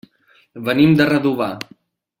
Venim de Redovà.